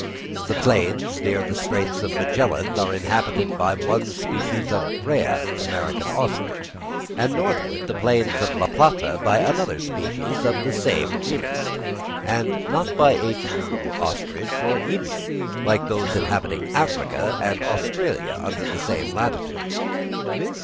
The plains near the Straits of Magellan are inhabited by one species of Rhea (American ostrich), and northward the plains of La Plata by another species of the same genus; and not by a true ostrich or emu, like those inhabiting Africa and Australia under the same latitude.